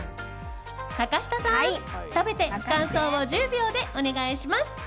坂下さん、食べて感想を１０秒でお願いします。